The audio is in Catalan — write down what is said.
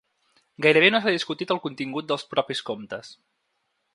Gairebé no s’ha discutit el contingut dels propis comptes.